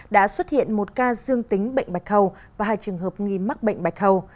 đã xuất hiện một ca dương tính bệnh bạch hầu và hai trường hợp nghi mắc bệnh bạch hầu